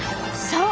そう！